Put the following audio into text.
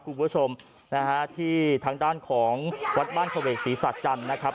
คุณผู้ชมนะฮะที่ทางด้านของวัดบ้านเขวกศรีศาจันทร์นะครับ